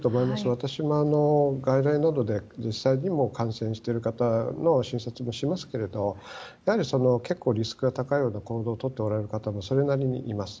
私も外来などで実際に感染してる方の診察もしますけど結構リスクが高い行動をとっておられる方もそれなりにいます。